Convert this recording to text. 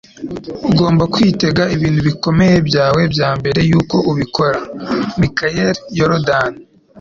Ugomba kwitega ibintu bikomeye byawe mbere yuko ubikora.” —Mikayeli Yorodani